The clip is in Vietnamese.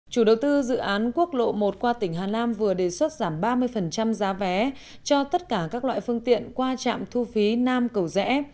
chủ đầu tư dự án quốc lộ một qua tỉnh hà nam vừa đề xuất giảm ba mươi giá vé cho tất cả các loại phương tiện qua trạm thu phí nam cầu rẽ